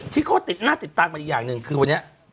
ที่เขาติดหน้าติดตามกันอีกอย่างหนึ่งคือวันนี้